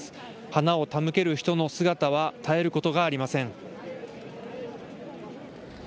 花を手向ける人の姿は絶えることがありません。